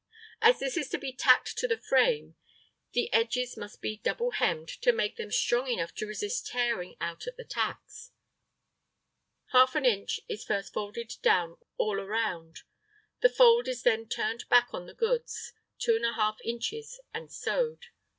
As this is to be tacked to the frame, the edges must be double hemmed to make them strong enough to resist tearing out at the tacks. Half an inch is first folded down all around; the fold is then turned back on the goods 2½ inches and sewed.